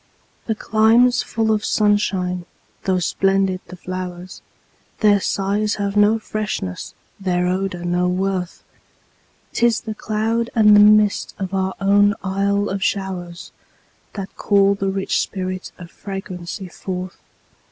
In climes full of sunshine, tho' splendid the flowers, Their sighs have no freshness, their odor no worth; 'Tis the cloud and the mist of our own Isle of showers, That call the rich spirit of fragrancy forth.